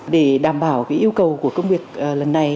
để đảm bảo yêu cầu của công việc lần này